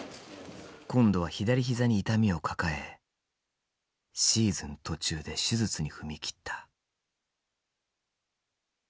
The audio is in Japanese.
今度は左膝に痛みを抱えシーズン途中で手術に踏み切った。